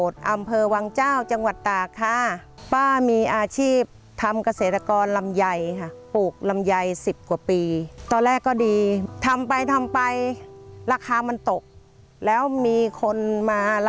เธอต่างอย่างนี้ค่ะ